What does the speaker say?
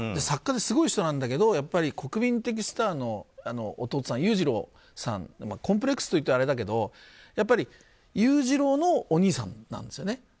作家ですごい人なんだけどやっぱり国民的スターの弟さん、裕次郎さんがコンプレックスというとあれだけど、やっぱり裕次郎のお兄さんなんですよね。